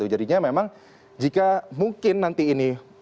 jadinya memang jika mungkin nanti ini